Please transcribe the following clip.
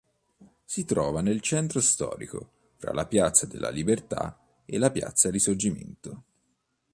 Si trova nel centro storico, fra la piazza della Libertà e la piazza Risorgimento.